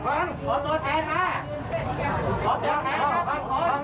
พูดแทนขอบแทนนะครับสั่งมะครับ